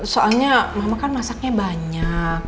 soalnya mama kan masaknya banyak